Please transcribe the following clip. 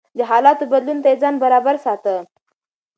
د حالاتو بدلون ته يې ځان برابر ساته.